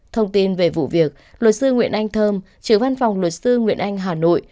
thông tin về vụ việc luật sư nguyễn anh thơm chứa văn phòng luật sư nguyễn anh hà nội